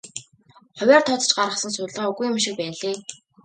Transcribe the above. Хувиар тооцож гаргасан судалгаа үгүй юм шиг байна лээ.